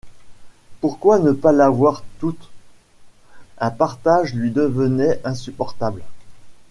Pourquoi ne pas l’avoir toute ? un partage lui devenait insupportable.